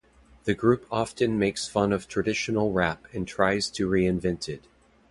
The group often makes fun of traditional rap and tries to reinvent it.